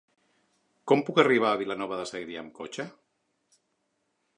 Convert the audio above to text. Com puc arribar a Vilanova de Segrià amb cotxe?